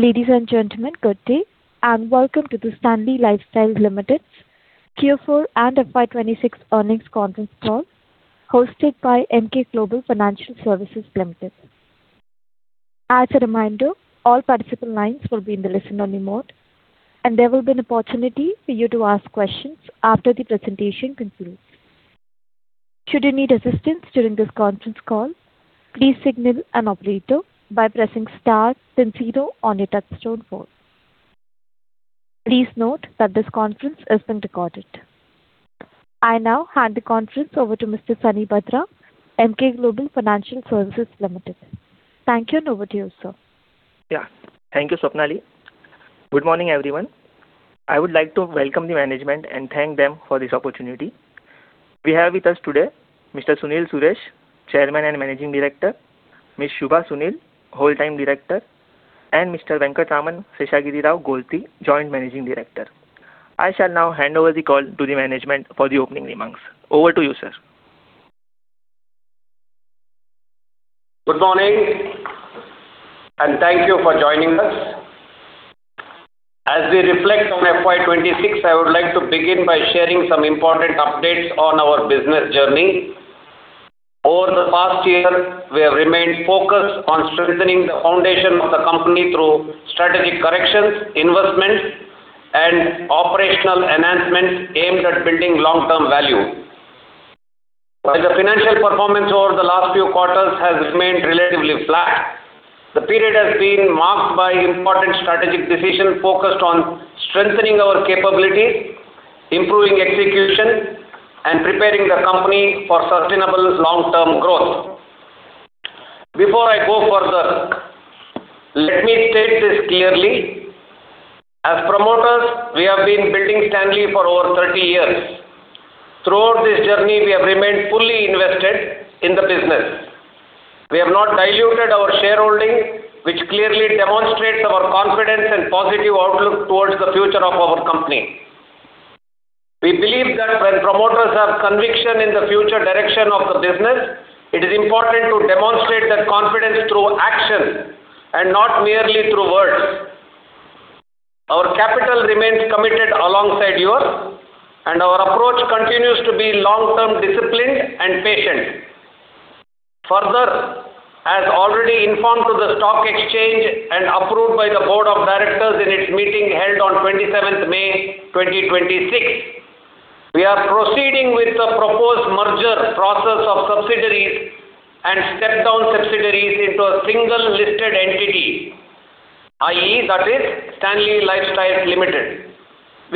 Ladies and gentlemen, good day, and welcome to the Stanley Lifestyles Limited Q4 and FY 2026 earnings conference call, hosted by Emkay Global Financial Services Limited. As a reminder, all participant lines will be in the listen-only mode, and there will be an opportunity for you to ask questions after the presentation concludes. Should you need assistance during this conference call, please signal an operator by pressing star then zero on your touch-tone phone. Please note that this conference is being recorded. I now hand the conference over to Mr. Sunny Bhadra, Emkay Global Financial Services Limited. Thank you, and over to you, sir. Yeah. Thank you, Swapnali. Good morning, everyone. I would like to welcome the management and thank them for this opportunity. We have with us today Mr. Sunil Suresh, Chairman and Managing Director, Ms. Shubha Sunil, Whole-Time Director, and Mr. Venkataramana Seshagirirao Gorti, Joint Managing Director. I shall now hand over the call to the management for the opening remarks. Over to you, sir. Good morning, and thank you for joining us. As we reflect on FY 2026, I would like to begin by sharing some important updates on our business journey. Over the past year, we have remained focused on strengthening the foundation of the company through strategic corrections, investments, and operational enhancements aimed at building long-term value. While the financial performance over the last few quarters has remained relatively flat, the period has been marked by important strategic decisions focused on strengthening our capabilities, improving execution, and preparing the company for sustainable long-term growth. Before I go further, let me state this clearly. As promoters, we have been building Stanley for over 30 years. Throughout this journey, we have remained fully invested in the business. We have not diluted our shareholding, which clearly demonstrates our confidence and positive outlook towards the future of our company. We believe that when promoters have conviction in the future direction of the business, it is important to demonstrate that confidence through action and not merely through words. Our capital remains committed alongside yours, and our approach continues to be long-term, disciplined, and patient. Further, as already informed to the stock exchange and approved by the board of directors in its meeting held on 27th May 2026, we are proceeding with the proposed merger process of subsidiaries and step-down subsidiaries into a single listed entity, that is Stanley Lifestyles Limited,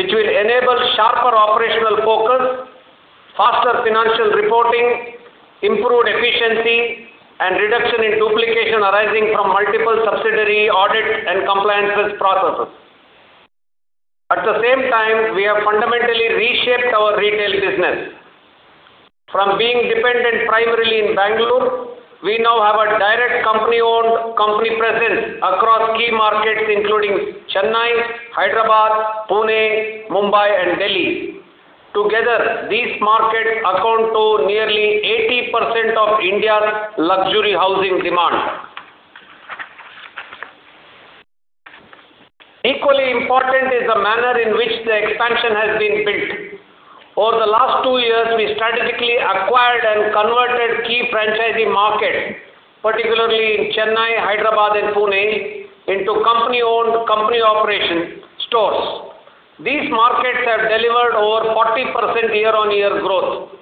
which will enable sharper operational focus, faster financial reporting, improved efficiency, and reduction in duplication arising from multiple subsidiary audit and compliance processes. At the same time, we have fundamentally reshaped our retail business. From being dependent primarily in Bengaluru, we now have a direct company-owned company presence across key markets including Chennai, Hyderabad, Pune, Mumbai, and Delhi. Together, these markets account to nearly 80% of India's luxury housing demand. Equally important is the manner in which the expansion has been built. Over the last two years, we strategically acquired and converted key franchisee markets, particularly in Chennai, Hyderabad, and Pune, into company-owned company operation stores. These markets have delivered over 40% year-on-year growth.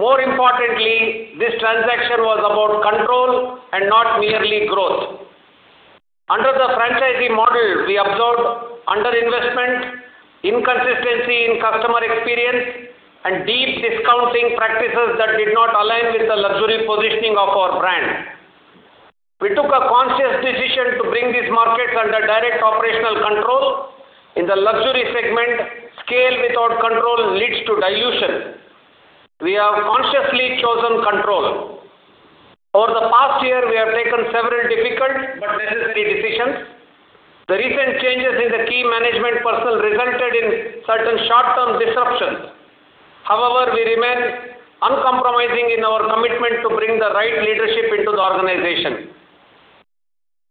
More importantly, this transaction was about control and not merely growth. Under the franchisee model, we observed under-investment, inconsistency in customer experience, and deep discounting practices that did not align with the luxury positioning of our brand. We took a conscious decision to bring these markets under direct operational control. In the luxury segment, scale without control leads to dilution. We have consciously chosen control. Over the past year, we have taken several difficult but necessary decisions. The recent changes in the key management personnel resulted in certain short-term disruptions. However, we remain uncompromising in our commitment to bring the right leadership into the organization.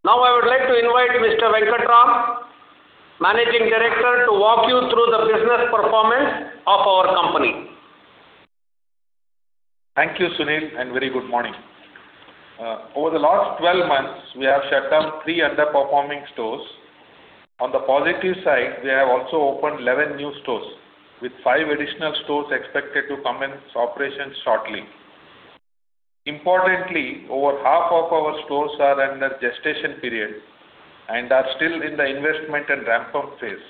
Now I would like to invite Mr. Venkataram Managing Director, to walk you through the business performance of our company. Thank you, Sunil, and very good morning. Over the last 12 months, we have shut down three underperforming stores. On the positive side, we have also opened 11 new stores, with five additional stores expected to commence operations shortly. Importantly, over half of our stores are under gestation period and are still in the investment and ramp-up phase.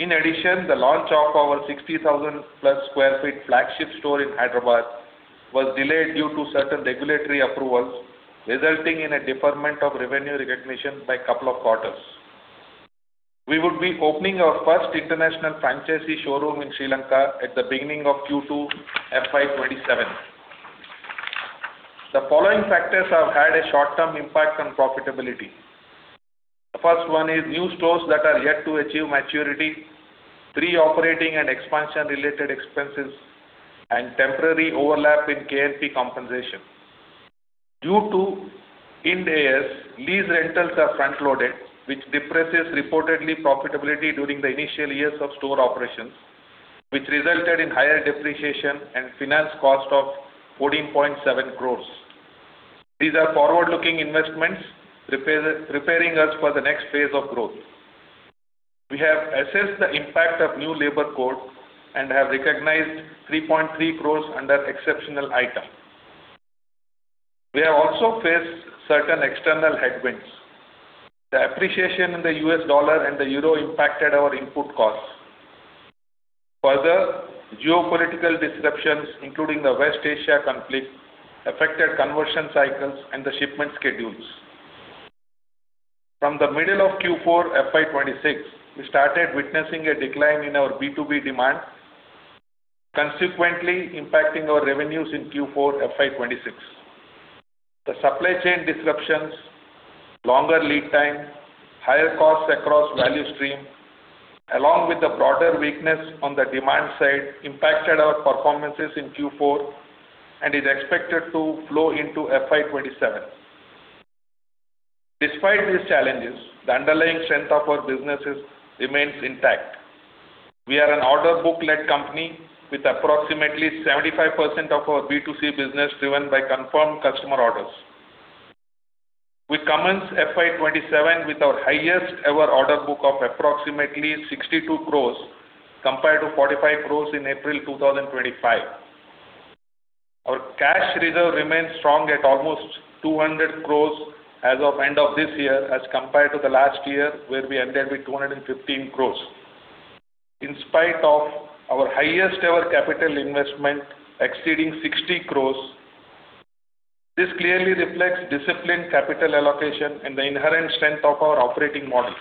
In addition, the launch of our 60,000+ sq ft flagship store in Hyderabad was delayed due to certain regulatory approvals, resulting in a deferment of revenue recognition by couple of quarters. We would be opening our first international franchisee showroom in Sri Lanka at the beginning of Q2 FY 2027. The following factors have had a short-term impact on profitability. The first one is new stores that are yet to achieve maturity, pre-operating and expansion-related expenses, and temporary overlap in KMP compensation. Due to Ind AS, lease rentals are front-loaded, which depresses reportedly profitability during the initial years of store operations, which resulted in higher depreciation and finance cost of 14.7 crores. These are forward-looking investments preparing us for the next phase of growth. We have assessed the impact of new labor code and have recognized 3.3 crores under exceptional item. We have also faced certain external headwinds. The appreciation in the US dollar and the euro impacted our input costs. Further, geopolitical disruptions, including the West Asia conflict, affected conversion cycles and the shipment schedules. From the middle of Q4 FY 2026, we started witnessing a decline in our B2B demand, consequently impacting our revenues in Q4 FY 2026. The supply chain disruptions, longer lead time, higher costs across value stream, along with the broader weakness on the demand side, impacted our performances in Q4 and is expected to flow into FY 2027. Despite these challenges, the underlying strength of our businesses remains intact. We are an order book-led company with approximately 75% of our B2C business driven by confirmed customer orders. We commence FY 2027 with our highest ever order book of approximately 62 crores compared to 45 crores in April 2025. Our cash reserve remains strong at almost 200 crores as of end of this year as compared to the last year, where we ended with 215 crores. In spite of our highest ever capital investment exceeding 60 crores, this clearly reflects disciplined capital allocation and the inherent strength of our operating model.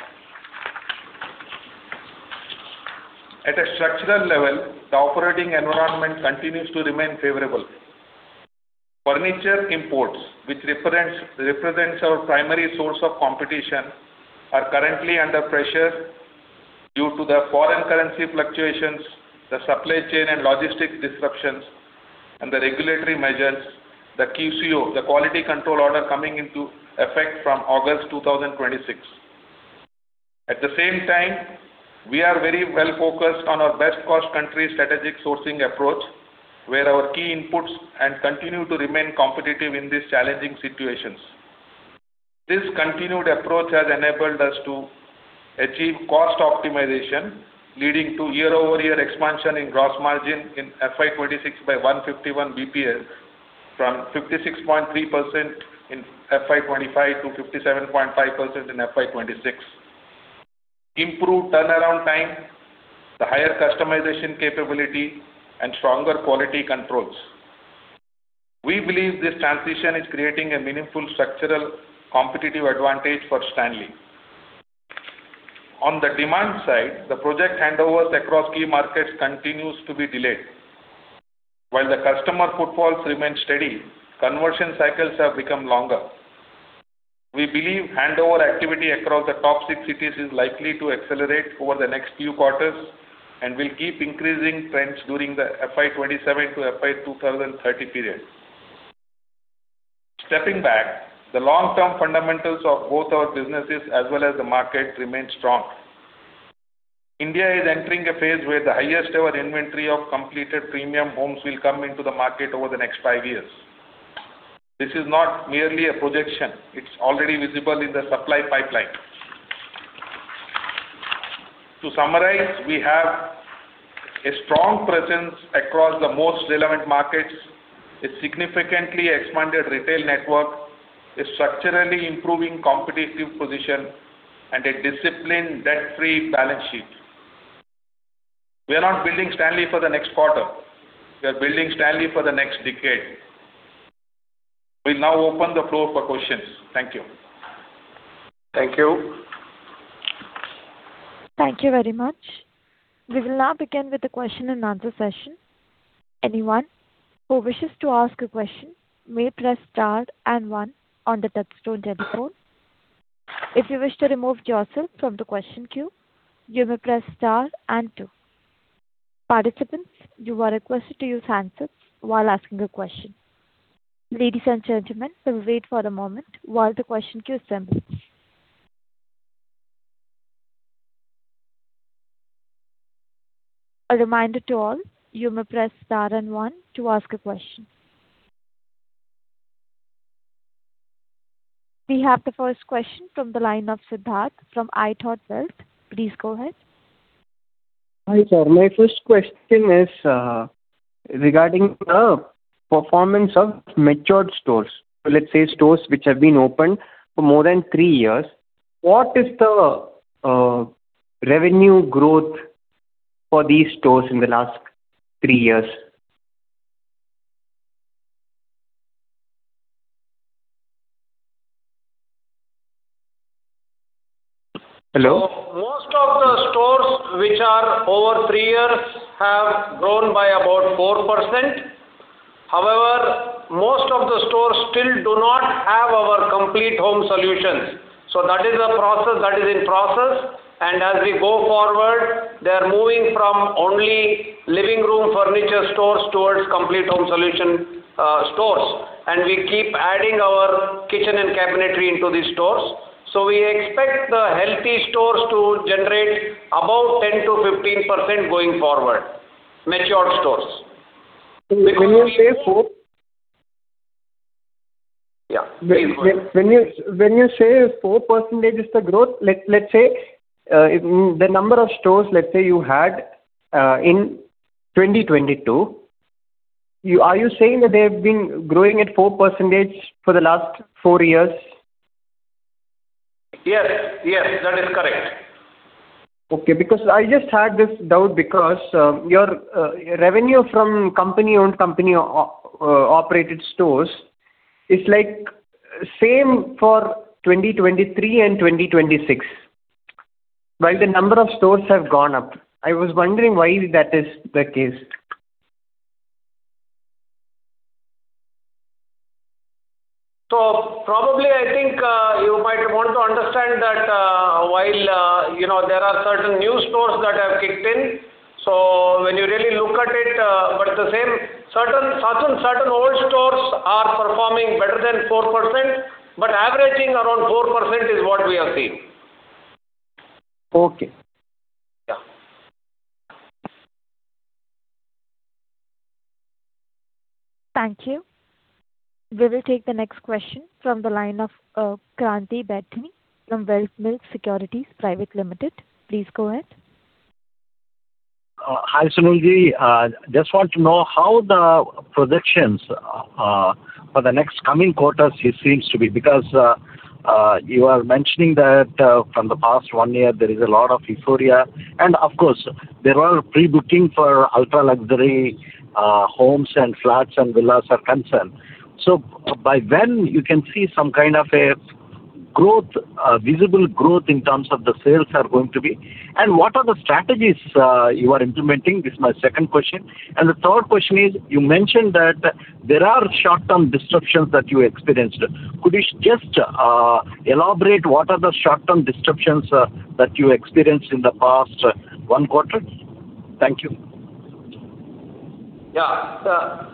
At a structural level, the operating environment continues to remain favorable. Furniture imports, which represents our primary source of competition, are currently under pressure due to the foreign currency fluctuations, the supply chain and logistics disruptions, and the regulatory measures, the QCO, the quality control order, coming into effect from August 2026. At the same time, we are very well focused on our best cost country strategic sourcing approach, where our key inputs and continue to remain competitive in these challenging situations. This continued approach has enabled us to achieve cost optimization, leading to year-over-year expansion in gross margin in FY 2026 by 151 bps from 56.3% in FY 2025 to 57.5% in FY 2026. Improved turnaround time, the higher customization capability, and stronger quality controls. We believe this transition is creating a meaningful structural competitive advantage for Stanley. On the demand side, the project handovers across key markets continues to be delayed. While the customer footfalls remain steady, conversion cycles have become longer. We believe handover activity across the top six cities is likely to accelerate over the next few quarters and will keep increasing trends during the FY 2027 to FY 2030 period. Stepping back, the long-term fundamentals of both our businesses as well as the market remain strong. India is entering a phase where the highest ever inventory of completed premium homes will come into the market over the next five years. This is not merely a projection, it's already visible in the supply pipeline. To summarize, we have a strong presence across the most relevant markets, a significantly expanded retail network, a structurally improving competitive position, and a disciplined, debt-free balance sheet. We are not building Stanley for the next quarter. We are building Stanley for the next decade. We now open the floor for questions. Thank you. Thank you. Thank you very much. We will now begin with the question and answer session. Anyone who wishes to ask a question may press star and one on the touchtone telephone. If you wish to remove yourself from the question queue, you may press star and two. Participants, you are requested to use handsets while asking a question. Ladies and gentlemen, we will wait for a moment while the question queue assembles. A reminder to all, you may press star and one to ask a question. We have the first question from the line of Sidharth from iThought Wealth. Please go ahead. Hi, sir. My first question is regarding the performance of matured stores. Let's say stores which have been opened for more than three years. What is the revenue growth for these stores in the last three years? Hello. Most of the stores which are over three years have grown by about 4%. However, most of the stores still do not have our complete own solutions. That is a process that is in process, and as we go forward, they're moving from only living room furniture stores towards complete home solution stores. We keep adding our kitchen and cabinetry into these stores. We expect the healthy stores to generate about 10%-15% going forward. Matured stores. When you say four. Yeah. When you say 4% is the growth, let's say, the number of stores you had in 2022, are you saying that they've been growing at 4% for the last four years? Yes. That is correct. I just had this doubt because your revenue from company-owned, company-operated stores is the same for 2023 and 2026, while the number of stores have gone up. I was wondering why that is the case. Probably, I think you might want to understand that while there are certain new stores that have kicked in, so when you really look at it, certain old stores are performing better than 4%, but averaging around 4% is what we have seen. Okay. Yeah. Thank you. We will take the next question from the line of Kranthi Bathini from Wealthmills Securities Private Limited. Please go ahead. Hi, Sunilji. Just want to know how the predictions for the next coming quarters seems to be, because you are mentioning that from the past one year, there is a lot of euphoria. Of course, there are pre-booking for ultra-luxury homes and flats and villas are concerned. By when you can see some kind of a visible growth in terms of the sales are going to be? What are the strategies you are implementing? This is my second question. The third question is, you mentioned that there are short-term disruptions that you experienced. Could you just elaborate what are the short-term disruptions that you experienced in the past one quarter? Thank you. Yeah,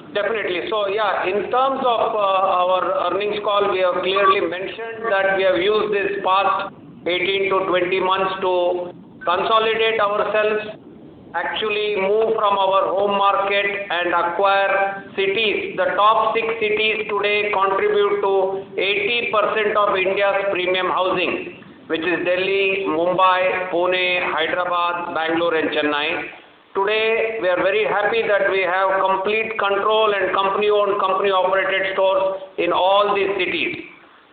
in terms of our earnings call, we have clearly mentioned that we have used this past 18-24 months to consolidate ourselves, actually move from our home market and acquire cities. The top six cities today contribute to 80% of India's premium housing, which is Delhi, Mumbai, Pune, Hyderabad, Bangalore, and Chennai. Today, we are very happy that we have complete control and company-owned, company-operated stores in all these cities.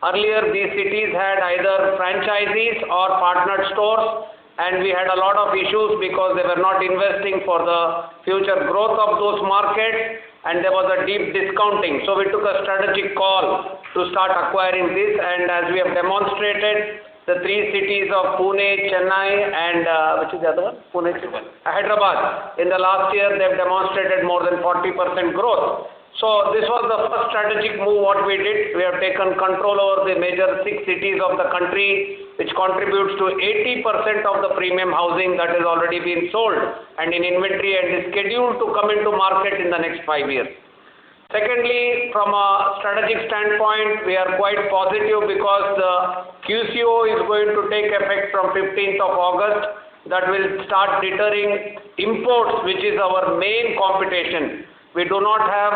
Earlier, these cities had either franchisees or partnered stores, and we had a lot of issues because they were not investing for the future growth of those markets, and there was a deep discounting. We took a strategic call to start acquiring this, and as we have demonstrated, the three cities of Pune, Chennai, and Hyderabad. In the last year, they've demonstrated more than 40% growth. This was the first strategic move, what we did. We have taken control over the major six cities of the country, which contributes to 80% of the premium housing that has already been sold and in inventory and is scheduled to come into market in the next five years. Secondly, from a strategic standpoint, we are quite positive because the QCO is going to take effect from 15th of August. That will start deterring imports, which is our main competition. We do not have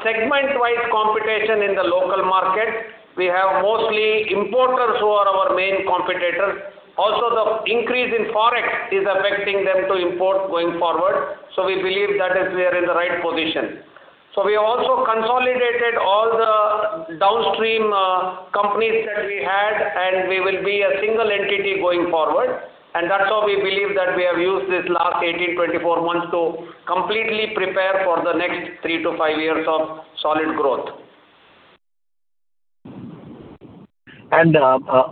segment-wise competition in the local market. We have mostly importers who are our main competitors. Also, the increase in forex is affecting them to import going forward. We believe that we are in the right position. We also consolidated all the downstream companies that we had, and we will be a single entity going forward. That's how we believe that we have used this last 18-24 months to completely prepare for the next three to five years of solid growth.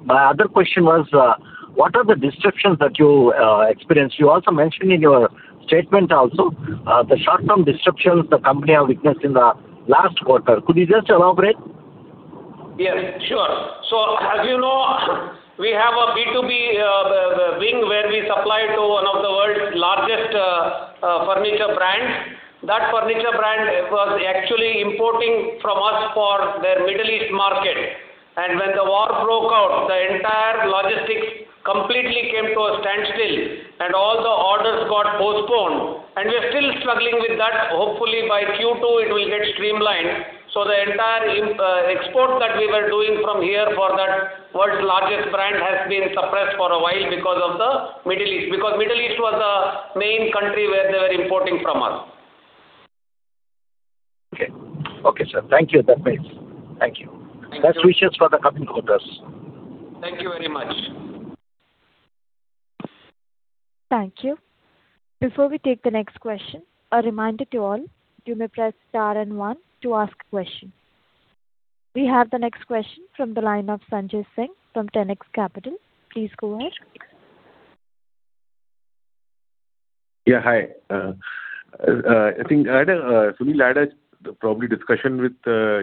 My other question was, what are the disruptions that you experienced? You also mentioned in your statement also, the short-term disruptions the company have witnessed in the last quarter. Could you just elaborate? Yes, sure. As you know, we have a B2B wing where we supply to one of the world's largest furniture brands. That furniture brand was actually importing from us for their Middle East market. When the war broke out, the entire logistics completely came to a standstill, and all the orders got postponed. We are still struggling with that. Hopefully by Q2 it will get streamlined. The entire export that we were doing from here for that world's largest brand has been suppressed for a while because of the Middle East. Because Middle East was the main country where they were importing from us. Okay, sir. Thank you. Thank you. Best wishes for the coming quarters. Thank you very much. Thank you. We have the next question from the line of Sanjay Singh from Tenex Capital. Please go ahead. Yeah, hi. I think, Sunil, I had a discussion with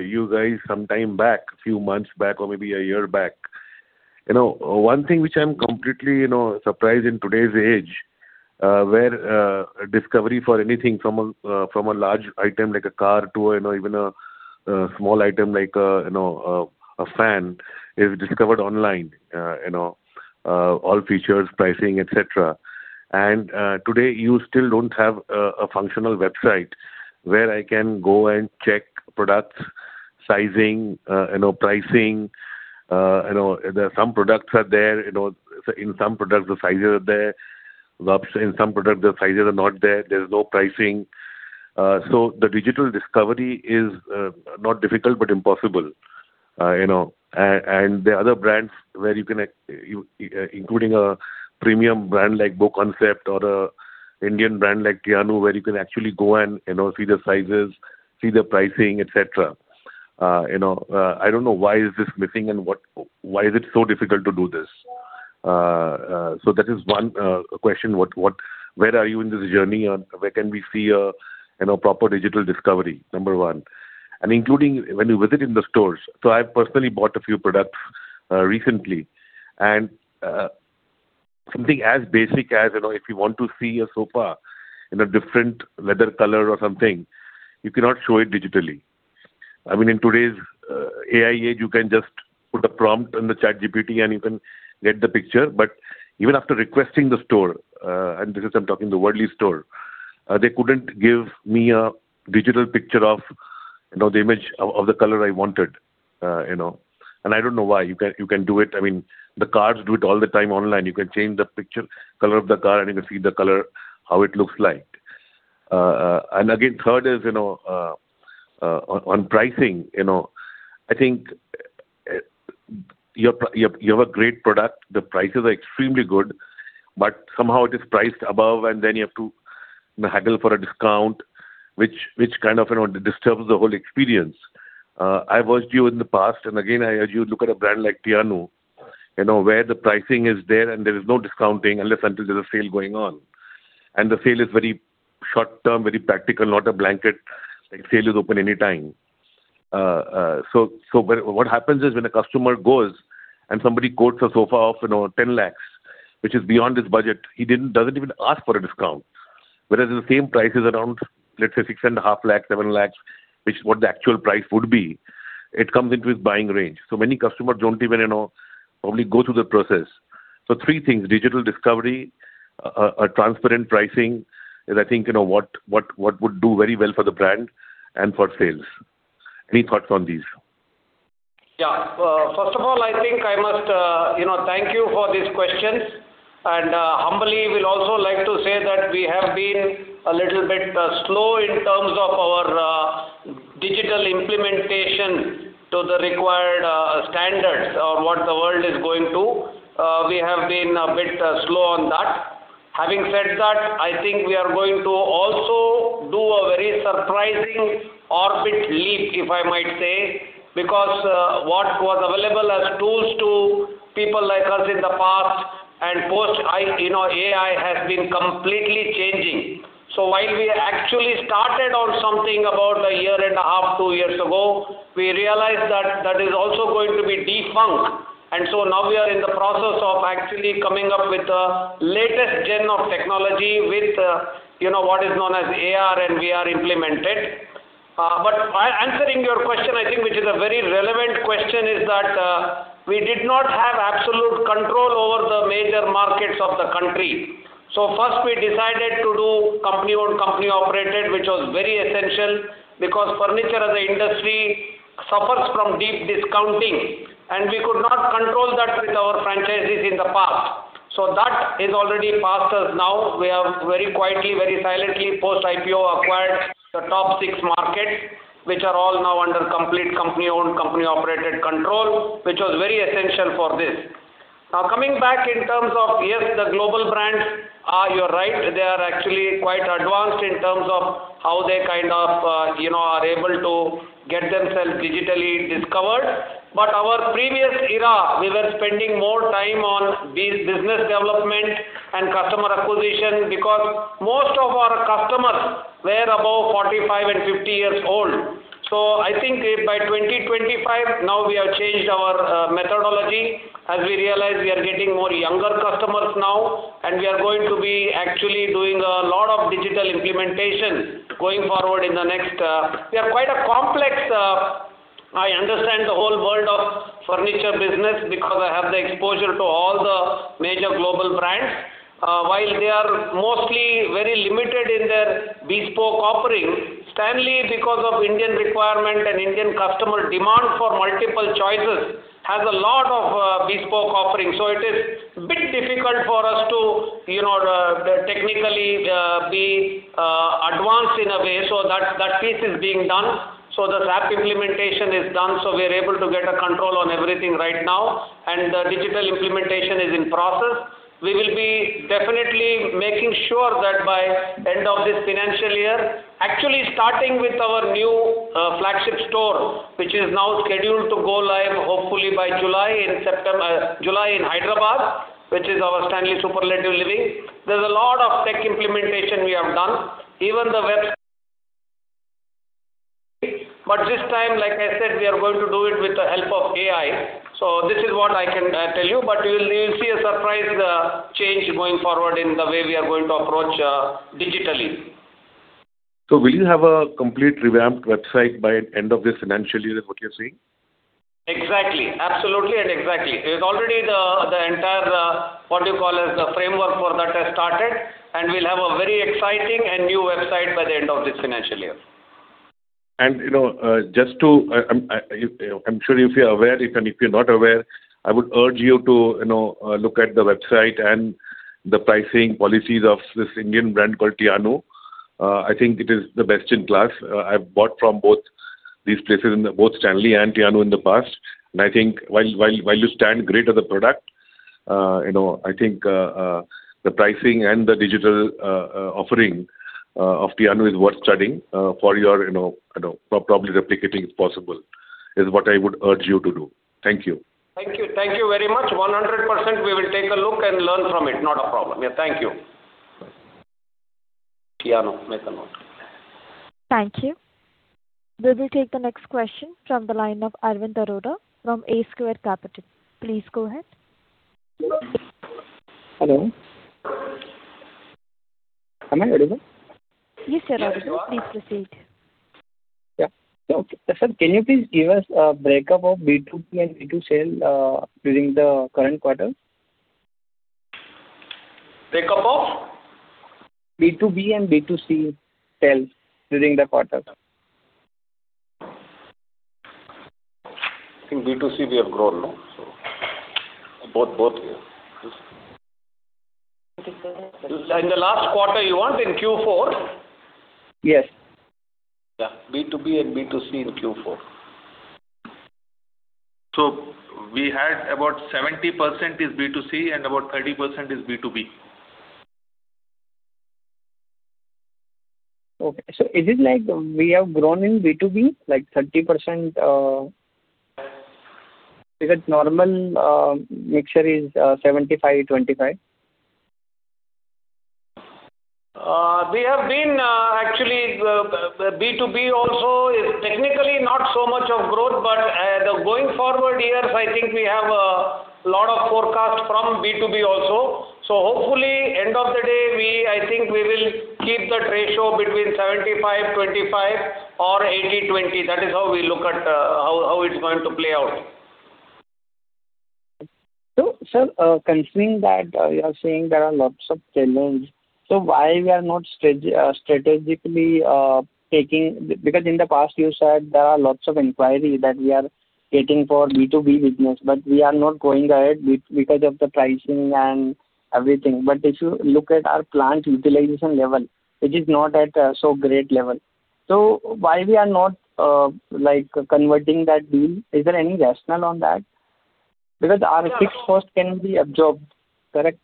you guys some time back, a few months back, or maybe a year back. One thing which I'm completely surprised in today's age, where discovery for anything from a large item like a car to even a small item like a fan is discovered online, all features, pricing, et cetera. Today you still don't have a functional website where I can go and check products, sizing, pricing. Some products are there. In some products, the sizes are there. In some products, the sizes are not there. There's no pricing. The digital discovery is not difficult, but impossible. There are other brands, including a premium brand like BoConcept or an Indian brand like Tianu, where you can actually go and see the sizes, see the pricing, et cetera. I don't know why is this missing and why is it so difficult to do this. That is one question. Where are you in this journey and where can we see a proper digital discovery? Number one. Including when you visit in the stores. I've personally bought a few products recently, and something as basic as if you want to see a sofa in a different leather color or something, you cannot show it digitally. I mean, in today's AI age, you can just put a prompt in the ChatGPT and you can get the picture. Even after requesting the store, and this is I'm talking the Worli store, they couldn't give me a digital picture of the image of the color I wanted. I don't know why. You can do it. The cars do it all the time online. You can change the picture, color of the car, you can see the color, how it looks like. Again, third is on pricing. I think you have a great product. The prices are extremely good, somehow it is priced above and then you have to haggle for a discount, which kind of disturbs the whole experience. I've watched you in the past, again, as you look at a brand like Tianu, where the pricing is there and there is no discounting unless until there's a sale going on. The sale is very short-term, very practical, not a blanket, like sale is open anytime. What happens is when a customer goes and somebody quotes a sofa of 10 lakhs, which is beyond his budget, he doesn't even ask for a discount. Whereas if the same price is around, let's say 6.5 lakh, 7 lakh, which what the actual price would be, it comes into his buying range. Many customers don't even probably go through the process. Three things, digital discovery, a transparent pricing is I think what would do very well for the brand and for sales. Any thoughts on these? Yeah. First of all, I think I must thank you for these questions, and humbly will also like to say that we have been a little bit slow in terms of our digital implementation to the required standards of what the world is going to. We have been a bit slow on that. Having said that, I think we are going to also do a very surprising orbit leap, if I might say, because what was available as tools to people like us in the past and post AI has been completely changing. While we actually started on something about a year and a half, two years ago, we realized that that is also going to be defunct, and so now we are in the process of actually coming up with the latest gen of technology with what is known as AR and VR implemented. Answering your question, I think, which is a very relevant question is that we did not have absolute control over the major markets of the country. First we decided to do company-owned, company-operated, which was very essential because furniture as an industry suffers from deep discounting, and we could not control that with our franchises in the past. That is already past us now. We have very quietly, very silently, post IPO acquired the top six markets, which are all now under complete company-owned, company-operated control, which was very essential for this. Coming back in terms of, yes, the global brands, you're right, they are actually quite advanced in terms of how they are able to get themselves digitally discovered. Our previous era, we were spending more time on business development and customer acquisition because most of our customers were above 45 and 50 years old. I think by 2025, now we have changed our methodology as we realize we are getting more younger customers now, and we are going to be actually doing a lot of digital implementation going forward in the next I understand the whole world of furniture business because I have the exposure to all the major global brands. While they are mostly very limited in their bespoke offering, Stanley, because of Indian requirement and Indian customer demand for multiple choices, has a lot of bespoke offerings. It is a bit difficult for us to technically be advanced in a way, so that piece is being done. The SAP implementation is done, so we're able to get a control on everything right now, and the digital implementation is in process. We will be definitely making sure that by end of this financial year, actually starting with our new flagship store, which is now scheduled to go live hopefully by July in Hyderabad, which is our Stanley Superlative Living, there's a lot of tech implementation we have done. This time, like I said, we are going to do it with the help of AI. This is what I can tell you, but you'll see a surprise change going forward in the way we are going to approach digitally. Will you have a completely revamped website by end of this financial year is what you're saying? Exactly. Absolutely and exactly. Already the entire framework for that has started, and we'll have a very exciting and new website by the end of this financial year. I'm sure you'll be aware, if you're not aware, I would urge you to look at the website and the pricing policies of this Indian brand called Tianu. I think it is the best in class. I've bought from both these places, both Stanley and Tianu in the past. I think while you stand great as a product, I think the pricing and the digital offering of Tianu is worth studying for probably replicating it, if possible. Is what I would urge you to do. Thank you. Thank you very much. 100%, we will take a look and learn from it. Not a problem. Thank you. Tianu, make a note. Thank you. We will take the next question from the line of Arvind Arora from A Square Capital. Please go ahead. Hello. Am I audible? Yes, you're audible. Please proceed. Yeah. Sir, can you please give us a break-up of B2B and B2C sale during the current quarter? Breakup of? B2B and B2C sales during the quarter. I think B2C we have grown. Both here. In the last quarter you want, in Q4? Yes. Yeah. B2B and B2C in Q4. We had about 70% is B2C and about 30% is B2B. Okay. Is it like we have grown in B2B, like 30%? Normal mixture is 75/25. Actually, B2B also is technically not so much of growth. Going forward years, I think we have a lot of forecast from B2B also. Hopefully, end of the day, I think we will keep that ratio between 75/25 or 80/20. That is how we look at how it's going to play out. Sir, considering that you are saying there are lots of challenge, why we are not strategically taking? In the past, you said there are lots of inquiry that we are getting for B2B business, but we are not going ahead because of the pricing and everything. If you look at our plant utilization level, it is not at so great level. Why we are not converting that deal? Is there any rationale on that? Our fixed cost can be absorbed, correct?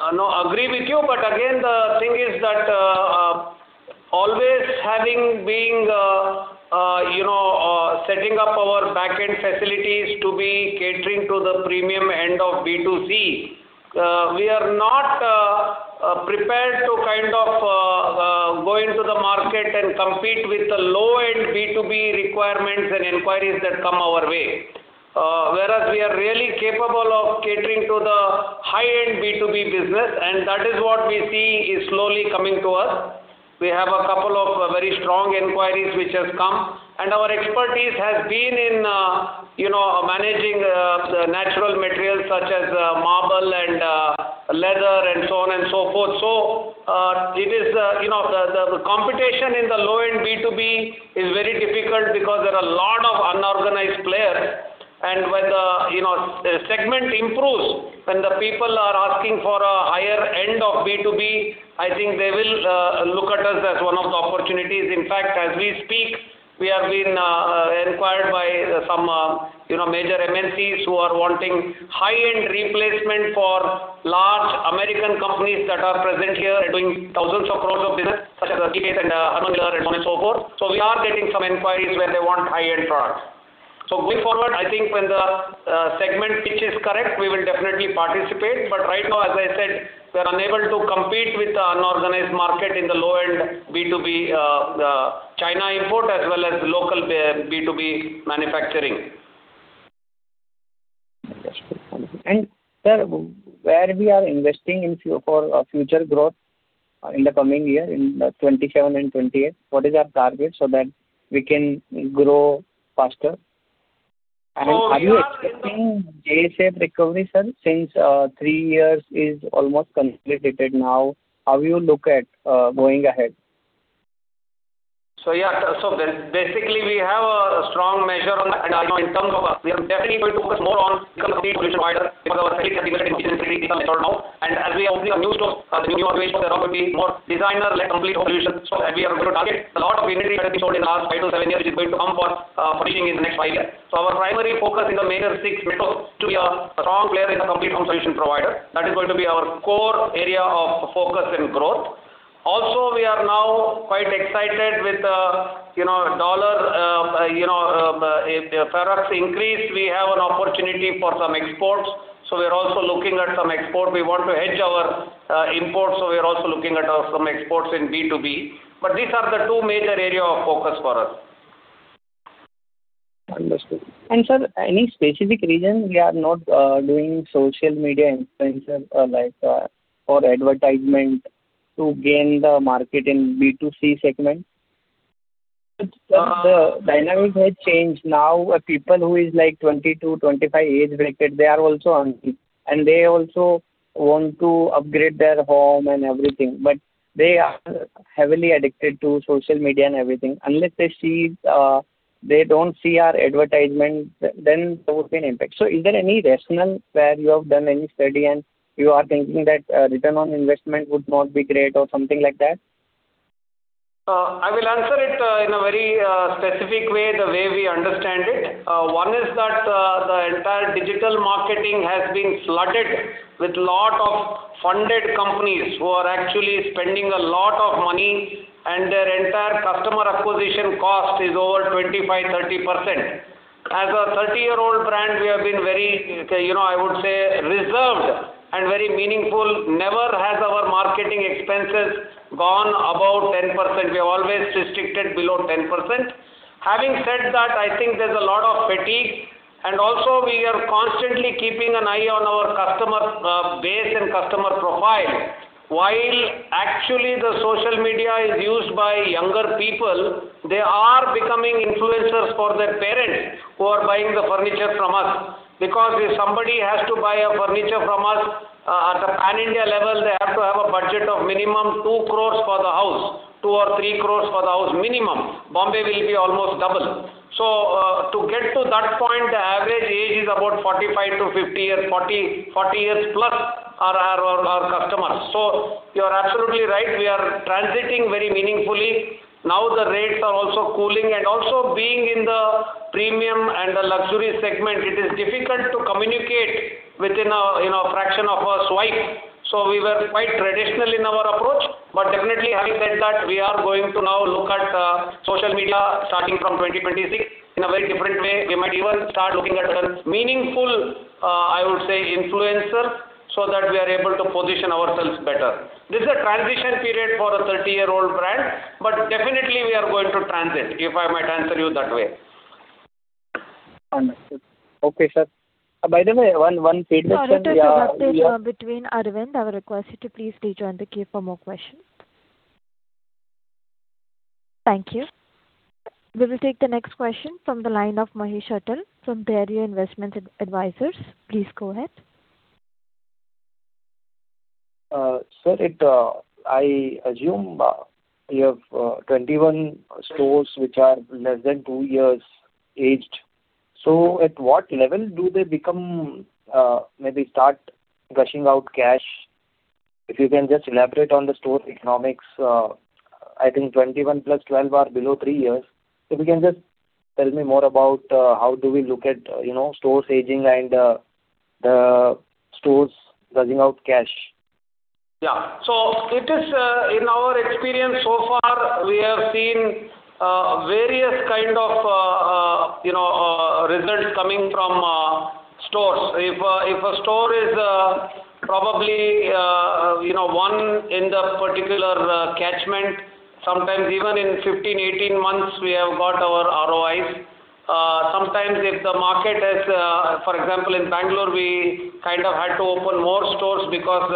Agree with you. Again, the thing is that, always having been setting up our back-end facilities to be catering to the premium end of B2C, we are not prepared to go into the market and compete with the low-end B2B requirements and inquiries that come our way. Whereas we are really capable of catering to the high-end B2B business, and that is what we see is slowly coming to us. We have a couple of very strong inquiries which have come. Our expertise has been in managing the natural materials such as marble and leather, and so on and so forth. The competition in the low-end B2B is very difficult because there are a lot of unorganized players. When the segment improves, when the people are asking for a higher end of B2B, I think they will look at us as one of the opportunities. In fact, as we speak, we have been inquired by some major MNCs who are wanting high-end replacement for large American companies that are present here and doing thousands of crores of business, such as, [inaudible] and so on and so forth. We are getting some inquiries where they want high-end products. Going forward, I think when the segment pitch is correct, we will definitely participate. Right now, as I said, we are unable to compete with the unorganized market in the low-end B2B China import as well as local B2B manufacturing. Understood. Thank you. Sir, where we are investing for future growth in the coming year, in 2027 and 2028? What is our target so that we can grow faster? Are you expecting J shape recovery, sir, since three years is almost completed now? How you look at going ahead? Basically we have a strong measure and in terms of us, we are definitely going to focus more on becoming a complete solution provider because our breadth has developed significantly in some measure now. As we open up new stores, as we do our bit, there are going to be more designer-like complete home solution stores that we are going to target. A lot of imagery that we showed in our five to seven years, which is going to come to fruition in the next five years. Our primary focus in the major six metros is to be a strong player as a complete home solution provider. That is going to be our core area of focus and growth. We are now quite excited. If the tariffs increase, we have an opportunity for some exports. We are also looking at some exports. We want to hedge our imports, we are also looking at some exports in B2B. These are the two major area of focus for us. Understood. Sir, any specific reason we are not doing social media influencer or advertisement to gain the market in B2C segment? The dynamic has changed. Now, people who is like 22, 25 age bracket, they are also on it, and they also want to upgrade their home and everything, but they are heavily addicted to social media and everything. Unless they don't see our advertisement, then there would be an impact. Is there any rationale where you have done any study and you are thinking that return on investment would not be great or something like that? I will answer it in a very specific way, the way we understand it. One is that the entire digital marketing has been flooded with lot of funded companies who are actually spending a lot of money, and their entire customer acquisition cost is over 25%, 30%. As a 30-year-old brand, we have been very, I would say, reserved and very meaningful. Never has our marketing expenses gone above 10%. We have always restricted below 10%. Having said that, I think there is a lot of fatigue, and also we are constantly keeping an eye on our customer base and customer profile. While actually the social media is used by younger people, they are becoming influencers for their parents who are buying the furniture from us. If somebody has to buy a furniture from us at the Pan-India level, they have to have a budget of minimum 2 crores for the house. 2 or 3 crores for the house, minimum. Mumbai will be almost double. To get to that point, the average age is about 45-50 years, 40 years plus are our customers. You're absolutely right, we are transiting very meaningfully. Now the rates are also cooling. Also being in the premium and the luxury segment, it is difficult to communicate within a fraction of a swipe. We were quite traditional in our approach. Definitely having said that, we are going to now look at social media starting from 2026 in a very different way. We might even start looking at some meaningful, I would say, influencers, so that we are able to position ourselves better. This is a transition period for a 30-year-old brand. Definitely we are going to transit, if I might answer you that way. Understood. Okay, sir. By the way, one paid question. Sorry to interrupt in between, Arvind. I would request you to please rejoin the queue for more questions. Thank you. We will take the next question from the line of Mahesh Attal from Beria Investment Advisors. Please go ahead. Sir, I assume you have 21 stores which are less than two years aged. At what level do they maybe start gushing out cash? If you can just elaborate on the store economics. I think 21 plus 12 are below three years. If you can just tell me more about how do we look at stores aging and the stores gushing out cash. Yeah. In our experience so far, we have seen various kind of results coming from stores. If a store is probably one in the particular catchment, sometimes even in 15, 18 months, we have got our ROIs. Sometimes if the market has. For example, in Bangalore, we kind of had to open more stores because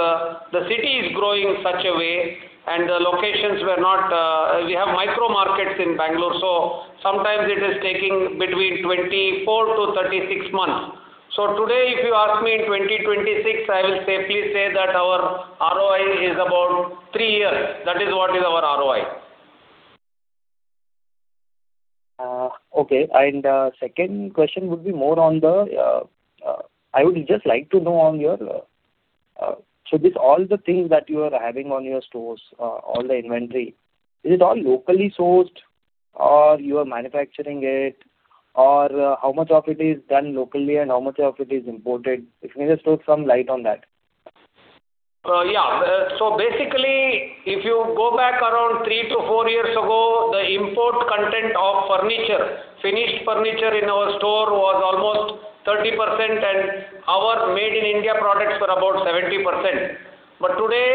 the city is growing in such a way and the locations were not. We have micro markets in Bangalore. Sometimes it is taking between 24 to 36 months. Today, if you ask me in 2026, I will safely say that our ROI is about three years. That is what is our ROI. Okay. Second question would be more on all the things that you are having on your stores, all the inventory, is it all locally sourced or you are manufacturing it? How much of it is done locally and how much of it is imported? If you can just throw some light on that. Basically, if you go back around three to four years ago, the import content of furniture, finished furniture in our store was almost 30%, and our Made in India products were about 70%. Today,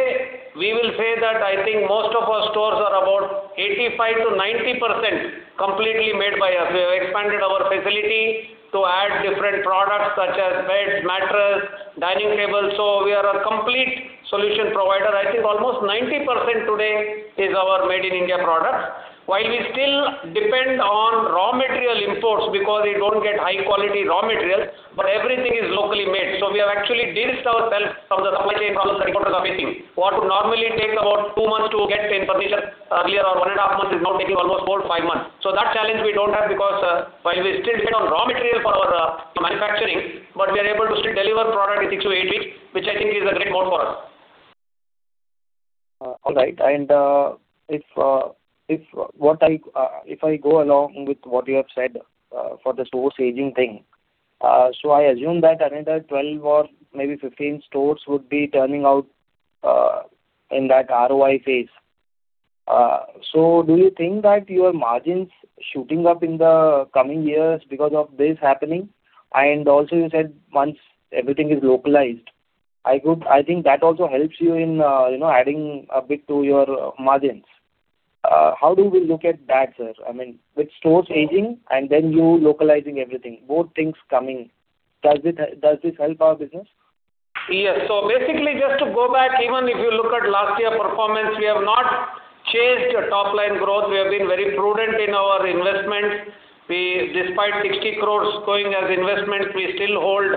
we will say that I think most of our stores are about 85% to 90% completely made by us. We have expanded our facility to add different products such as beds, mattress, dining table. We are a complete solution provider. I think almost 90% today is our Made in India product. While we still depend on raw material imports because we don't get high quality raw materials, everything is locally made. We have actually de-risked ourselves from the supply chain from the. [inaudible] What would normally take about two months to get in position earlier or one and a half months is now taking almost four to five months. That challenge we don't have because while we still depend on raw material for our manufacturing, but we are able to still deliver product in six to eight weeks, which I think is a great mode for us. All right. If I go along with what you have said for the stores aging thing, so I assume that another 12 or maybe 15 stores would be turning out in that ROI phase. Do you think that your margins shooting up in the coming years because of this happening? Also you said once everything is localized, I think that also helps you in adding a bit to your margins. How do we look at that, sir? With stores aging and then you localizing everything, both things coming, does this help our business? Yes. basically, just to go back, even if you look at last year performance, we have not changed top line growth. We have been very prudent in our investment. Despite 60 crore going as investment, we still hold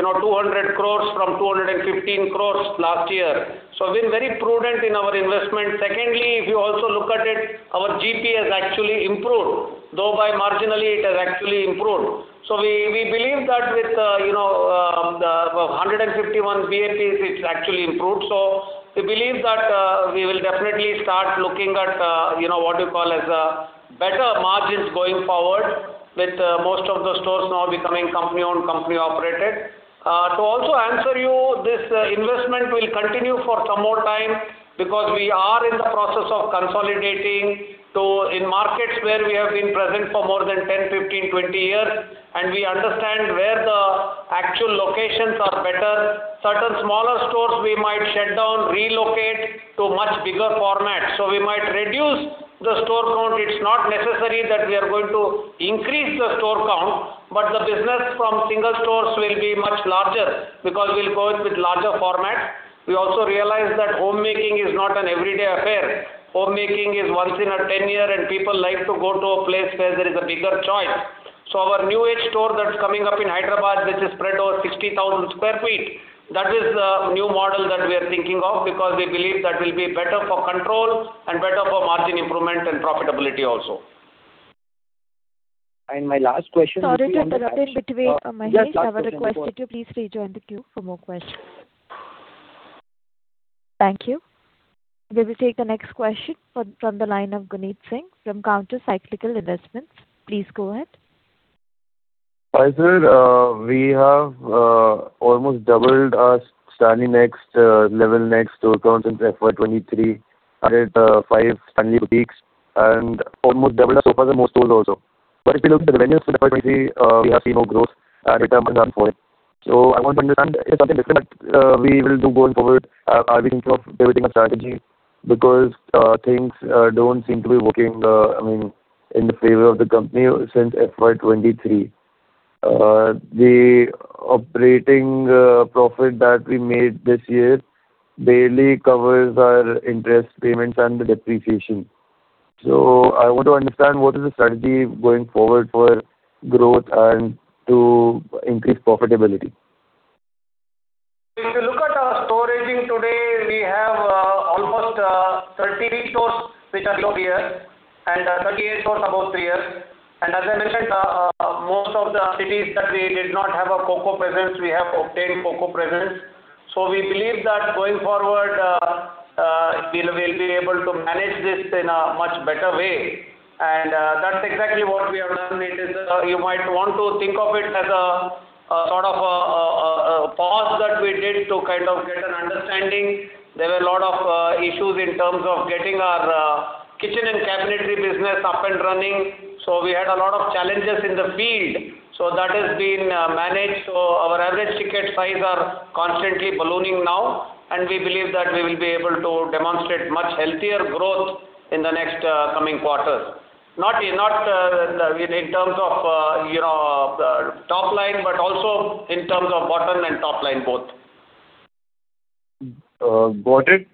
200 crore from 215 crore last year. We've been very prudent in our investment. Secondly, if you also look at it, our GP has actually improved. Though by marginally, it has actually improved. We believe that with the 151 [bps], it's actually improved. We believe that we will definitely start looking at better margins going forward with most of the stores now becoming company-owned, company-operated. To also answer you, this investment will continue for some more time because we are in the process of consolidating. In markets where we have been present for more than 10, 15, 20 years, and we understand where the actual locations are better, certain smaller stores we might shut down, relocate to much bigger format. We might reduce the store count. It is not necessary that we are going to increase the store count, but the business from single stores will be much larger because we will go in with larger format. We also realize that homemaking is not an everyday affair. Homemaking is once in a 10 year, and people like to go to a place where there is a bigger choice. Our new age store that is coming up in Hyderabad, which is spread over 60,000 sq ft, that is the new model that we are thinking of because we believe that will be better for control and better for margin improvement and profitability also. My last question would be. Sorry to interrupt in between, Mahesh. I would request you to please rejoin the queue for more questions. Thank you. We will take the next question from the line of Gunit Singh from Counter Cyclical Investments. Please go ahead. Hi, sir. We have almost doubled our Stanley Next Level Next store counts since FY 2023, added five Stanley Boutiques, and almost doubled our Sofas & More stores also. If you look at the revenues for FY 2023, we have seen no growth at a certain point. I want to understand if something different we will do going forward. Are we thinking of pivoting a strategy because things don't seem to be working in the favor of the company since FY 2023. The operating profit that we made this year barely covers our interest payments and the depreciation. I want to understand what is the strategy going forward for growth and to increase profitability. If you look at our store aging today, we have almost 30 stores which are below a year, and 38 stores above three years. As I mentioned, most of the cities that we did not have a COCO presence, we have obtained COCO presence. We believe that going forward, we'll be able to manage this in a much better way, and that's exactly what we have done. You might want to think of it as a sort of a pause that we did to kind of get an understanding. There were a lot of issues in terms of getting our kitchen and cabinetry business up and running. We had a lot of challenges in the field. That has been managed. Our average ticket size are constantly ballooning now, and we believe that we will be able to demonstrate much healthier growth in the next coming quarters. Not in terms of the top line, but also in terms of bottom and top line, both. Got it.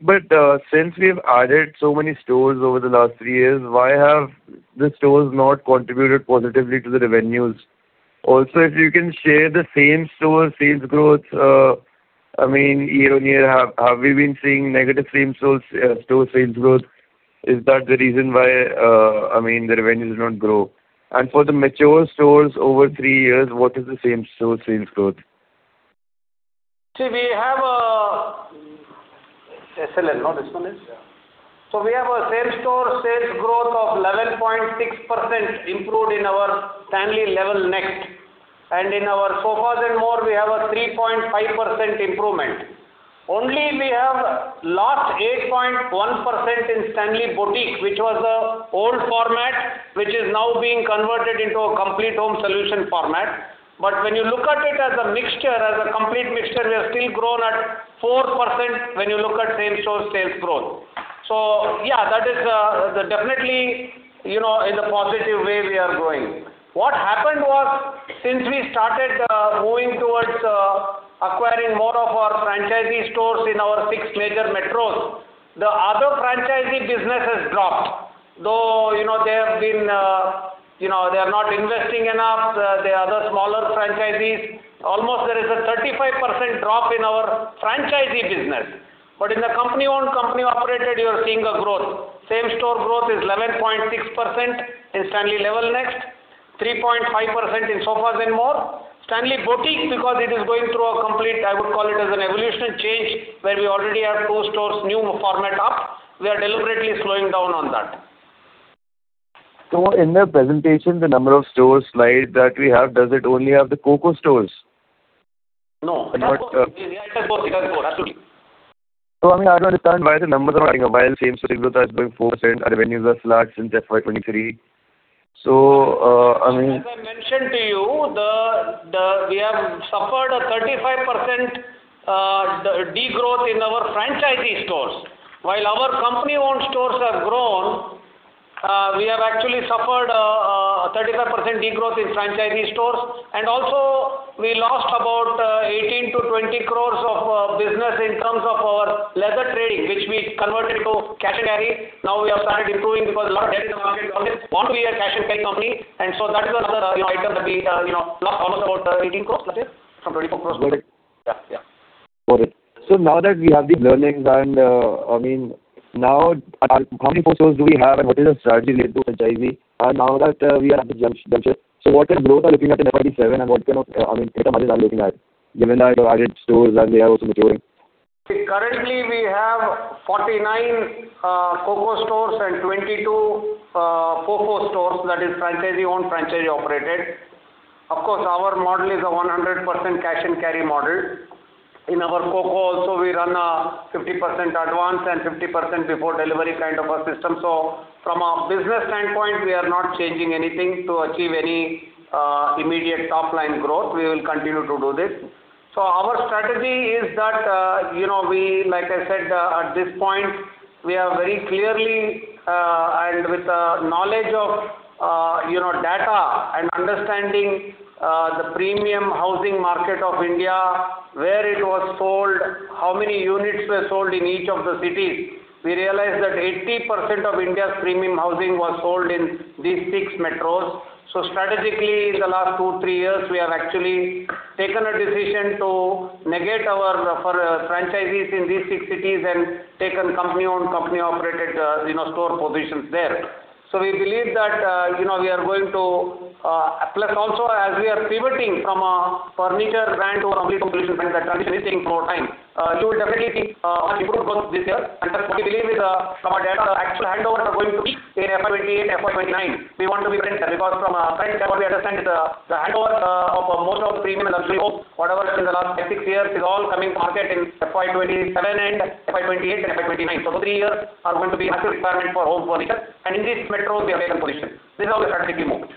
Since we've added so many stores over the last three years, why have the stores not contributed positively to the revenues? Also, if you can share the same store sales growth year-over-year. Have we been seeing negative same store sales growth? Is that the reason why the revenues do not grow? For the mature stores over three years, what is the same store sales growth? See, we have a SLN, this one is? Yeah. We have a same-store sales growth of 11.6% improved in our Stanley Level Next. In our Sofas & More, we have a 3.5% improvement. Only we have lost 8.1% in Stanley Boutique, which was a old format, which is now being converted into a complete home solution format. When you look at it as a mixture, as a complete mixture, we have still grown at 4% when you look at same-store sales growth. Yeah, that is definitely in the positive way we are growing. What happened was, since we started moving towards acquiring more of our franchisee stores in our six major metros, the other franchisee businesses dropped. Though they are not investing enough, the other smaller franchisees, almost there is a 35% drop in our franchisee business. In the company-owned, company-operated, you are seeing a growth. Same-store growth is 11.6% in Stanley Level Next, 3.5% in Sofas & More. Stanley Boutique, because it is going through a complete, I would call it as an evolutionary change, where we already have two stores, new format up, we are deliberately slowing down on that. In the presentation, the number of stores slide that we have, does it only have the COCO stores? No. I mean, I don't understand why the numbers are coming up, while same-store growth was 3.4% and revenues are flat since FY 2023. As I mentioned to you, we have suffered a 35% degrowth in our franchisee stores. While our company-owned stores have grown, we have actually suffered a 35% degrowth in franchisee stores. Also, we lost about 18-20 crores of business in terms of our leather trading, which we converted to cash and carry. Now we have started improving because a lot of debt in the market, and we want to be a cash-and-carry company. That is another item that we lost almost about 18 crores last year from 24 crores. Got it. Yeah. Got it. Now that we have these learnings and, I mean, now how many stores do we have, and what is the strategy related to franchisee now that we are at the juncture? What kind of growth are looking at in FY 2027, and what kind of income margins are we looking at given the added stores and they are also maturing? Currently, we have 49 CoCo stores and 22 FoFo stores, that is franchisee-owned, franchisee-operated. Of course, our model is a 100% cash-and-carry model. In our CoCo also, we run a 50% advance and 50% before delivery kind of a system. From a business standpoint, we are not changing anything to achieve any immediate top-line growth. We will continue to do this. Our strategy is that, like I said, at this point, we are very clearly, and with the knowledge of data and understanding the premium housing market of India, where it was sold, how many units were sold in each of the cities. We realized that 80% of India's premium housing was sold in these six metros. Strategically, in the last two, three years, we have actually taken a decision to negate our franchises in these six cities and taken company-owned, company-operated store positions there. We believe that. Also, as we are pivoting from a furniture brand to a complete solution brand, that transition is taking more time. You will definitely see much improved growth this year. We believe from our data, the actual handovers are going to peak in FY 2028, FY 2029. We want to be present there because from a franchise point, we understand the handovers of most of the premium and luxury homes, whatever is in the last six years, is all coming to market in FY 2027 and FY 2028 and FY 2029. Those three years are going to be acute requirement for home furniture, and in these metros, we have a good position. This is how the strategy moved.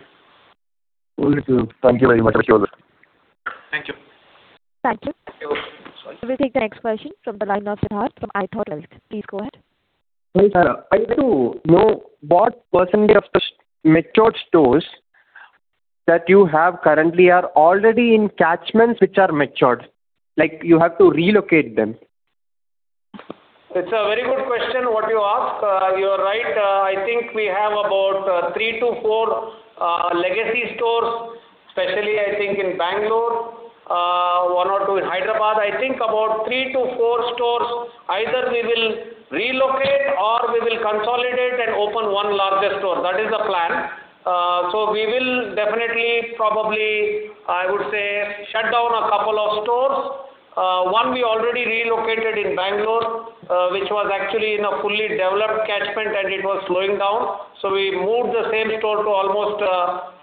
Understood. Thank you very much, I wish you all the best. Thank you. Thank you. You're welcome. Sorry. We'll take the next question from the line of Sidharth from iThought Wealth. Please go ahead. Hi, sir. I want to know what percentage of the matured stores that you have currently are already in catchments which are matured, like you have to relocate them. It's a very good question, what you ask. You are right. I think we have about three to four legacy stores, especially, I think, in Bangalore, one or two in Hyderabad. I think about three to four stores, either we will relocate or we will consolidate and open one larger store. That is the plan. We will definitely, probably, I would say, shut down a couple of stores. One we already relocated in Bangalore which was actually in a fully developed catchment and it was slowing down. We moved the same store to almost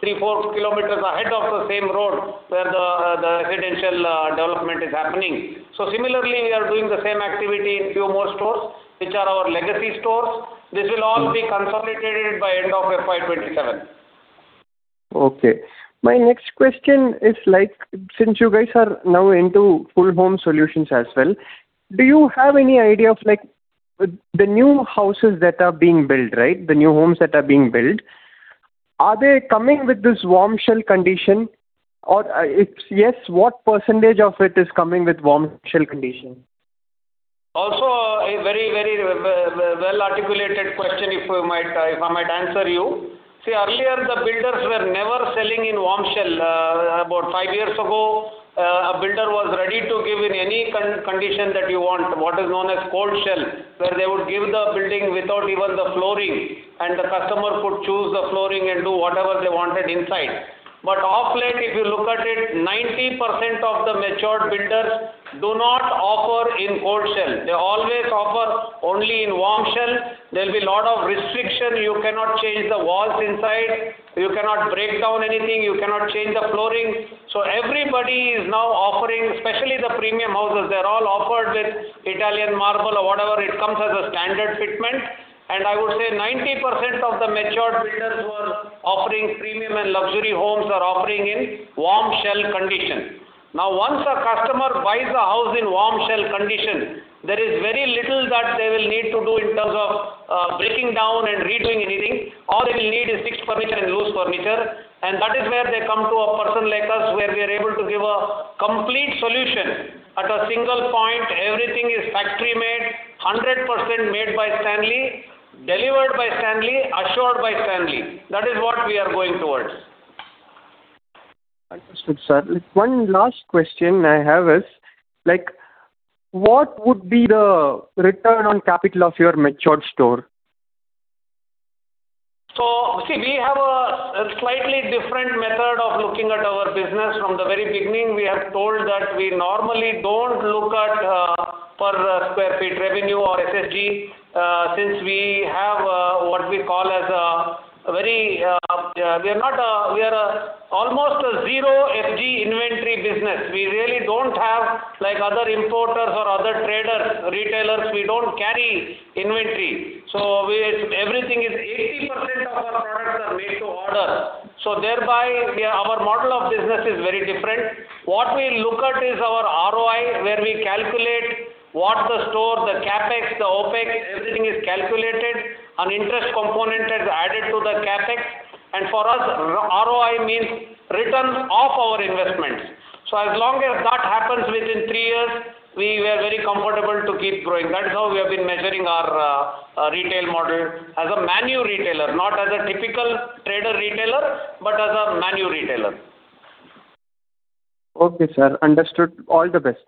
three, 4 km ahead of the same road where the residential development is happening. Similarly, we are doing the same activity in few more stores, which are our legacy stores. This will all be consolidated by end of FY 2027. My next question is, since you guys are now into full home solutions as well, do you have any idea of the new houses that are being built? The new homes that are being built, are they coming with this warm shell condition? If yes, what percentage of it is coming with warm shell condition? A very well-articulated question, if I might answer you. See, earlier the builders were never selling in warm shell. About five years ago, a builder was ready to give in any condition that you want, what is known as cold shell, where they would give the building without even the flooring, and the customer could choose the flooring and do whatever they wanted inside. Of late, if you look at it, 90% of the matured builders do not offer in cold shell. They always offer only in warm shell. There'll be lot of restriction. You cannot change the walls inside. You cannot break down anything. You cannot change the flooring. Everybody is now offering, especially the premium houses, they're all offered with Italian marble or whatever. It comes as a standard fitment. I would say 90% of the matured builders who are offering premium and luxury homes are offering in warm shell condition. Once a customer buys a house in warm shell condition, there is very little that they will need to do in terms of breaking down and redoing anything. All they will need is fixed furniture and loose furniture. That is where they come to a person like us, where we are able to give a complete solution at a single point. Everything is factory-made, 100% made by Stanley, delivered by Stanley, assured by Stanley. That is what we are going towards. Understood, sir. One last question I have is, what would be the return on capital of your matured store? See, we have a slightly different method of looking at our business. From the very beginning, we have told that we normally don't look at per SSG, since we have what we call as a zero FG inventory business. We really don't have, like other importers or other traders, retailers, we don't carry inventory. Everything is 80% of our products are made to order. Thereby, our model of business is very different. What we look at is our ROI, where we calculate what the store, the CapEx, the OpEx, everything is calculated, an interest component is added to the CapEx. For us, ROI means returns of our investments. As long as that happens within three years, we are very comfortable to keep growing. That is how we have been measuring our retail model as a manu-retailer, not as a typical trader-retailer, but as a manu-retailer. Okay, sir. Understood. All the best.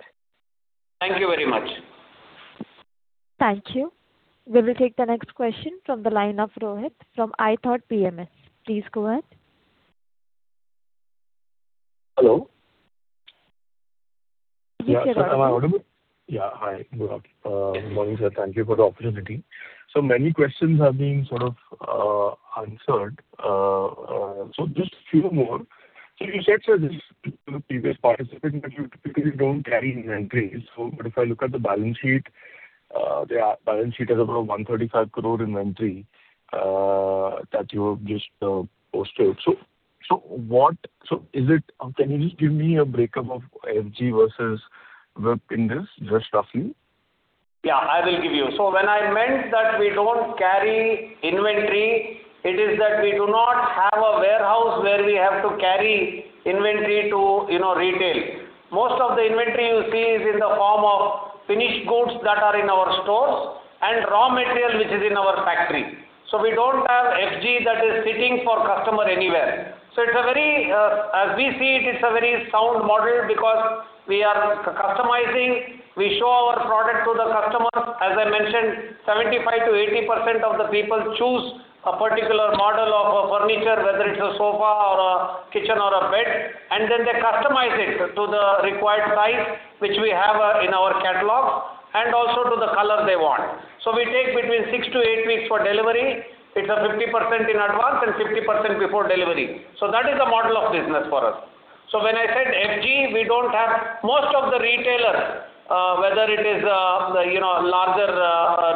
Thank you very much. Thank you. We will take the next question from the line of Rohit from ithought PMS. Please go ahead. Hello. Yes, sir. Yeah. Hi. Good morning, sir. Thank you for the opportunity. Many questions have been sort of answered. Just few more. You said, sir, this to the previous participant that you typically don't carry inventory. If I look at the balance sheet, the balance sheet has about 135 crore inventory that you have just posted. Can you just give me a breakup of FG versus WIP in this, just roughly? Yeah, I will give you. When I meant that we don't carry inventory, it is that we do not have a warehouse where we have to carry inventory to retail. Most of the inventory you see is in the form of finished goods that are in our stores and raw material, which is in our factory. We don't have FG that is sitting for customer anywhere. As we see it's a very sound model because we are customizing, we show our product to the customer. As I mentioned, 75% to 80% of the people choose a particular model of a furniture, whether it's a sofa or a kitchen or a bed, and then they customize it to the required size, which we have in our catalog, and also to the color they want. We take between six to eight weeks for delivery. It's a 50% in advance and 50% before delivery. That is the model of business for us. When I said FG, we don't have. Most of the retailers, whether it is larger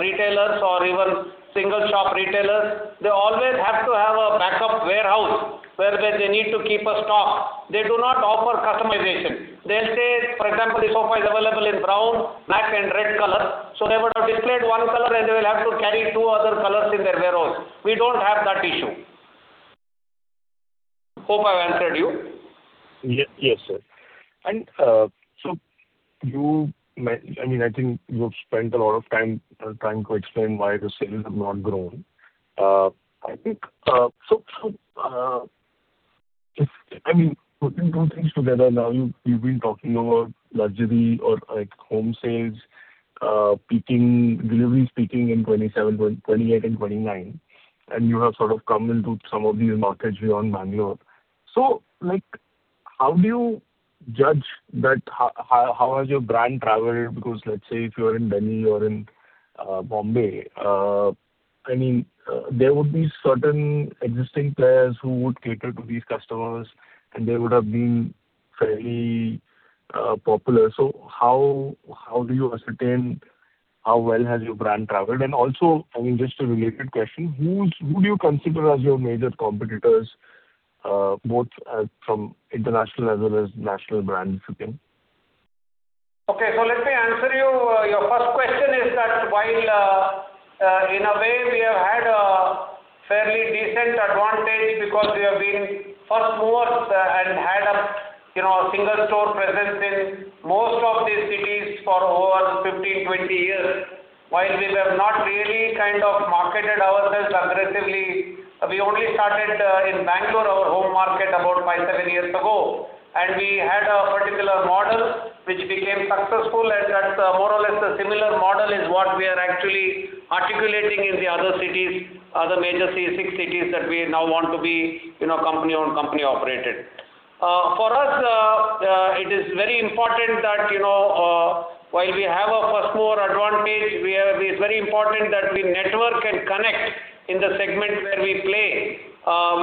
retailers or even single shop retailers, they always have to have a backup warehouse where they need to keep a stock. They do not offer customization. They'll say, for example, the sofa is available in brown, black, and red color. They would have displayed one color, and they will have to carry two other colors in their warehouse. We don't have that issue. Hope I've answered you. Yes, sir. I think you've spent a lot of time trying to explain why the sales have not grown. Putting two things together now, you've been talking about luxury or home sales deliveries peaking in 2027, 2028, and 2029, and you have sort of come into some of these markets beyond Bangalore. How do you judge that how has your brand traveled? Because let's say if you're in Delhi or in Bombay, there would be certain existing players who would cater to these customers, and they would have been fairly popular. How do you ascertain how well has your brand traveled? Just a related question, who do you consider as your major competitors, both from international as well as national brands, if you can? Okay. Let me answer you. Your first question is that while in a way, we have had a fairly decent advantage because we have been first movers and had a single store presence in most of these cities for over 15, 20 years. While we have not really kind of marketed ourselves aggressively, we only started in Bangalore, our home market, about five, seven years ago. We had a particular model which became successful, and that's more or less a similar model is what we are actually articulating in the other cities, other major six cities that we now want to be company-owned, company-operated. For us, it is very important that while we have a first-mover advantage, it's very important that we network and connect in the segment where we play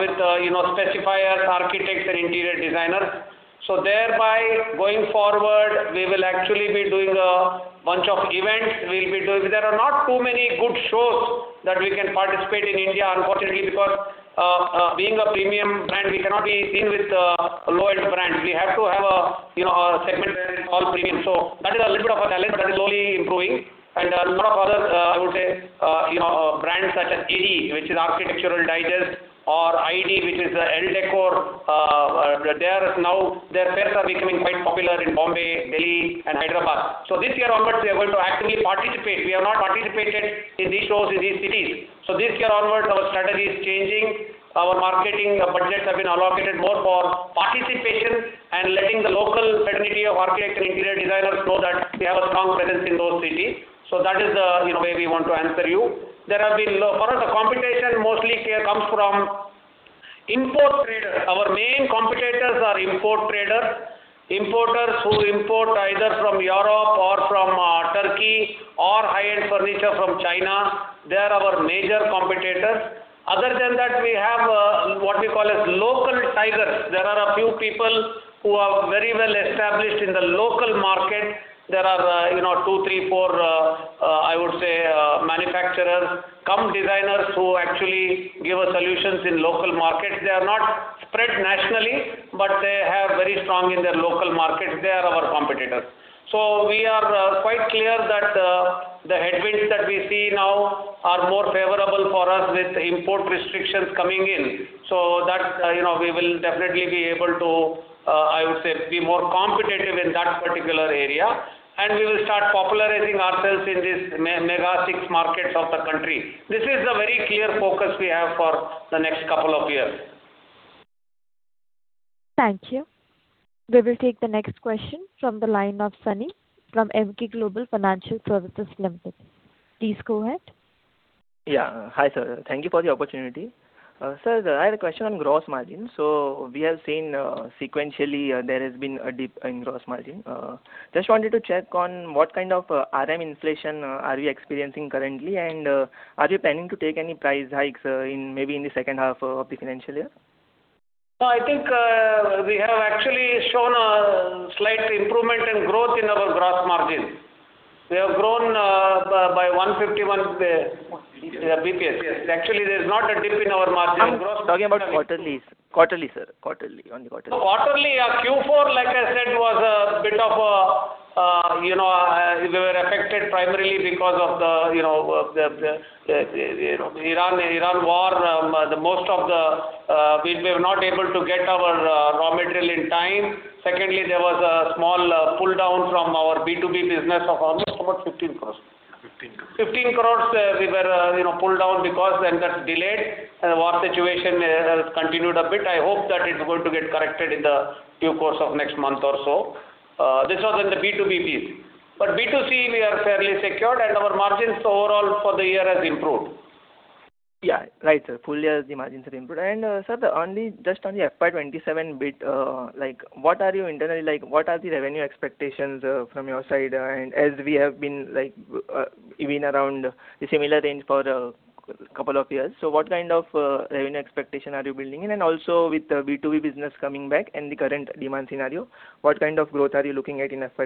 with specifiers, architects, and interior designers. Thereby, going forward, we will actually be doing a bunch of events. There are not too many good shows that we can participate in India, unfortunately, because being a premium brand, we cannot be seen with low-end brands. We have to have a segment where it's all premium. That is a little bit of a challenge, but that is slowly improving. A lot of other, I would say, brands such as AD, which is Architectural Digest, or ED, which is ELLE Decor, their fairs are becoming quite popular in Bombay, Delhi, and Hyderabad. This year onwards, we are going to actually participate. We have not participated in these shows in these cities. This year onwards, our strategy is changing. Our marketing budgets have been allocated more for participation and letting the local fraternity of architects and interior designers know that we have a strong presence in those cities. That is the way we want to answer you. For us, the competition mostly here comes from import trade. Main competitors are import traders. Importers who import either from Europe or from Turkey, or high-end furniture from China, they are our major competitors. Other than that, we have what we call local tigers. There are a few people who are very well established in the local market. There are two, three, four, I would say, manufacturers cum designers who actually give us solutions in local markets. They are not spread nationally, but they are very strong in their local markets. They are our competitors. We are quite clear that the headwinds that we see now are more favorable for us with import restrictions coming in. We will definitely be able to, I would say, be more competitive in that particular area, and we will start popularizing ourselves in these mega six markets of the country. This is a very clear focus we have for the next couple of years. Thank you. We will take the next question from the line of Sunny from Emkay Global Financial Services Limited. Please go ahead. Yeah. Hi, sir. Thank you for the opportunity. Sir, I had a question on gross margin. We have seen sequentially, there has been a dip in gross margin. Just wanted to check on what kind of RM inflation are we experiencing currently, and are you planning to take any price hikes maybe in the second half of the financial year? No, I think we have actually shown a slight improvement in growth in our gross margin. We have grown by 151 bps. Yes.Actually, there's not a dip in our margin. I'm talking about quarterly, sir. Only quarterly. Quarterly, Q4, like I said, we were affected primarily because of the Iran war. We were not able to get our raw material in time. Secondly, there was a small pull-down from our B2B business of almost about 15 crores. 15 crores. 15 crore we were pulled down because then that delayed. The war situation has continued a bit. I hope that it's going to get corrected in the due course of next month or so. This was in the B2B piece. B2C, we are fairly secured, and our margins overall for the year have improved. Yeah. Right, sir. Full year, the margins have improved. Sir, just on the FY 2027 bit, what are the revenue expectations from your side? As we have been around the similar range for a couple of years, what kind of revenue expectation are you building in? Also with the B2B business coming back and the current demand scenario, what kind of growth are you looking at in FY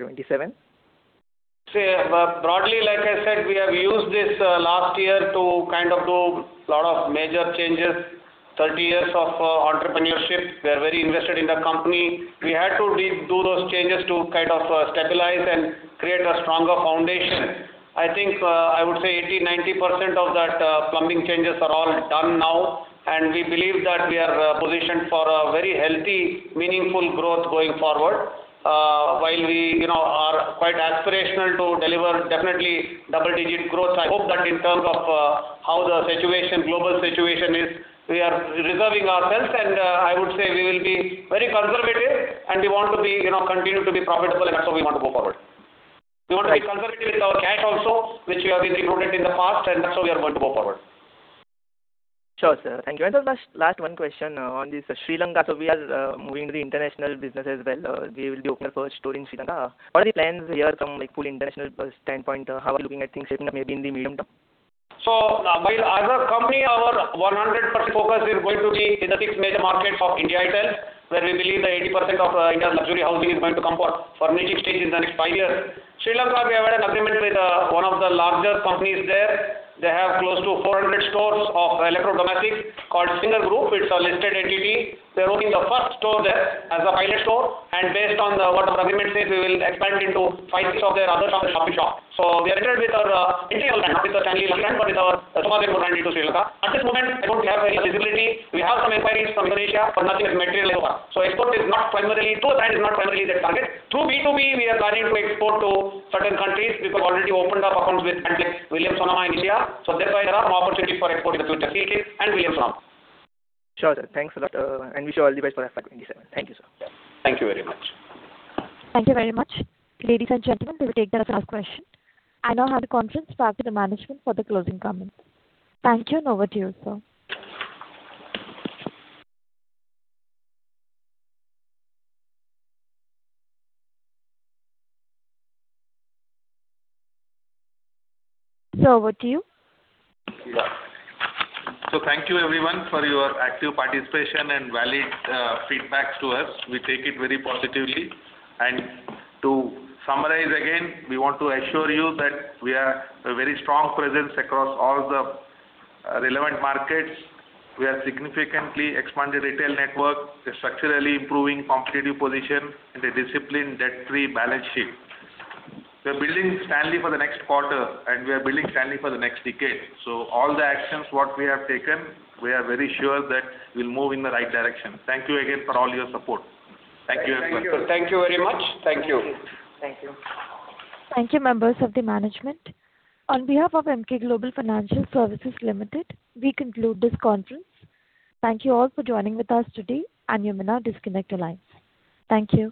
2027? Broadly, like I said, we have used this last year to do a lot of major changes. 30 years of entrepreneurship, we are very invested in the company. We had to do those changes to stabilize and create a stronger foundation. I think, I would say 80%-90% of that plumbing changes are all done now, and we believe that we are positioned for a very healthy, meaningful growth going forward. While we are quite aspirational to deliver definitely double-digit growth, I hope that in terms of how the global situation is, we are reserving ourselves, and I would say we will be very conservative, and we want to continue to be profitable, and that's how we want to move forward. Right. We want to be conservative with our cash also, which we have been accrued in the past. That's how we are going to go forward. Sure, sir. Thank you. Last one question on this Sri Lanka. We are moving to the international business as well. We will open our first store in Sri Lanka. What are the plans here from full international standpoint? How are you looking at things shaping up, maybe in the medium-term? As a company, our 100% focus is going to be in the six major markets of India itself, where we believe that 80% of India's luxury housing is going to come for furnishing in the next five years. Sri Lanka, we have had an agreement with one of the larger companies there. They have close to 400 stores of electro domestics called Singer Group. It's a listed entity. We're opening the first store there as a pilot store, and based on what our agreement says, we will expand into five, six of their other shop-in-shops. We entered with our Indian brand, not with the Stanley brand, but with our Sofas & More brand into Sri Lanka. At this moment, I don't have very much visibility. We have some inquiries from Indonesia, but nothing has materialized so far. Export is not primarily, through that, is not primarily the target. Through B2B, we are planning to export to certain countries. We have already opened up accounts with countries like Williams Sonoma in here. Therefore, there are some opportunities for export in the future. IKEA and Williams Sonoma. Sure, sir. Thanks a lot, and wish you all the best for FY 2027. Thank you, sir. Yeah. Thank you very much. Thank you very much. Ladies and gentlemen, we'll take that as the last question. I now hand the conference back to the management for the closing comments. Thank you, and over to you, sir. Sir, over to you. Thank you everyone for your active participation and valid feedback to us. We take it very positively. To summarize again, we want to assure you that we are a very strong presence across all the relevant markets. We have significantly expanded retail network, we're structurally improving competitive position, and a disciplined debt-free balance sheet. We're building Stanley for the next quarter, we are building Stanley for the next decade. All the actions what we have taken, we are very sure that we'll move in the right direction. Thank you again for all your support. Thank you everyone. Thank you very much. Thank you. Thank you. Thank you, members of the management. On behalf of Emkay Global Financial Services Limited, we conclude this conference. Thank you all for joining with us today, and you may now disconnect your lines. Thank you.